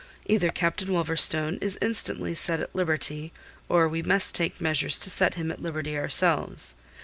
Either Captain Wolverstone is instantly set at liberty, or we must take measures to set him at liberty ourselves.